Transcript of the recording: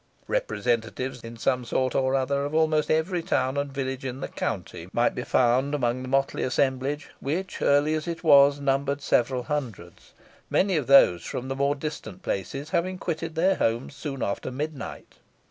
Representatives in some sort or other of almost every town and village in the county might be found amongst the motley assemblage, which, early as it was, numbered several hundreds, many of those from the more distant places having quitted their homes soon after midnight.